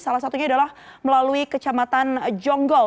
salah satunya adalah melalui kecamatan jonggol